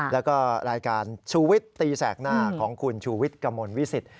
แล้วก็รายการชูวิตตีแสกหน้าของคุณชูวิทย์กระมวลวิสิต